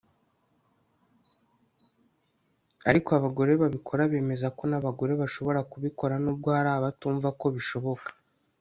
Ariko abagore babikora bemeza ko n’abagore bashobora kubikora n’ubwo hari abatumva ko bishoboka